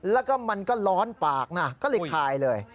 แล้วก็มันก็ร้อนปากนะก็เลยคายเลย